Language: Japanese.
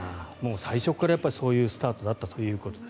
最初からそういうスタートだったということです。